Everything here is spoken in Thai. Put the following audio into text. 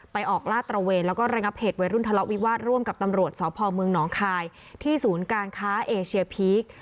ออกลาดตระเวนแล้วก็ระงับเหตุวัยรุ่นทะเลาะวิวาสร่วมกับตำรวจสพเมืองหนองคายที่ศูนย์การค้าเอเชียพีค